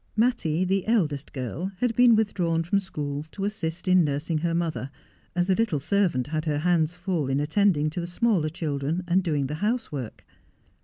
Mattie, the eldest girl, had been withdrawn from school to assist in nursing her mother, as the little servant had her hands full in attending to the smaller children, and doing the house work.